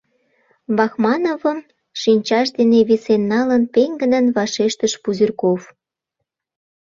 — Бахмановым шинчаж дене висен налын, пеҥгыдын вашештыш Пузырьков.